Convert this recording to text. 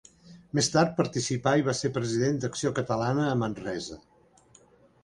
Més tard participà i va ser president d'Acció Catalana a Manresa.